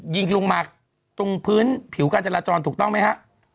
ยิงลงมาตรงพื้นผิวการจราจรถูกต้องไหมฮะ